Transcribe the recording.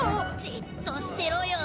じっとしてろよ。